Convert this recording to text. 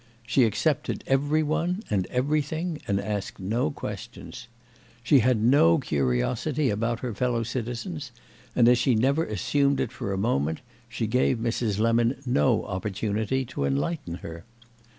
She accepted every one and everything and asked no questions. She had no curiosity about her fellow citizens, and as she never assumed it for a moment she gave Mrs. Lemon no opportunity to enlighten her.